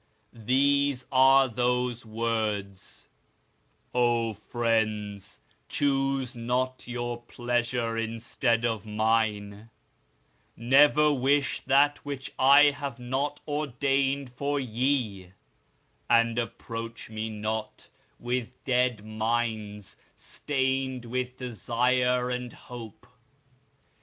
These are those Words: "O, friends, choose not your pleasure instead of Mine; never wish that which I have not ordained for ye, and approach Me not with dead minds stained with desire and hope.